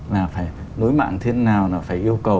là phải nối mạng thế nào phải yêu cầu